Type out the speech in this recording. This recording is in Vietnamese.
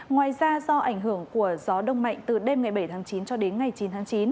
ngoài ra do ảnh hưởng của gió đông mạnh từ đêm ngày bảy tháng chín cho đến ngày chín tháng chín